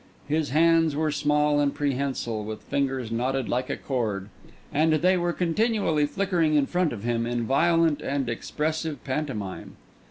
His hands were small and prehensile, with fingers knotted like a cord; and they were continually flickering in front of him in violent and expressive pantomime.